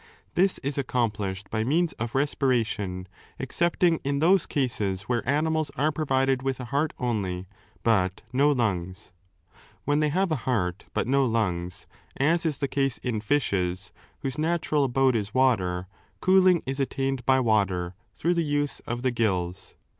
This is accomplished by means of respiration, excepting in those cases where animals are provided with a heart only but no lungs. When they have a heart but no lungs, as is 2 the case in fishes, whose natural abode is water, cooling is attained by water through the use of the gills.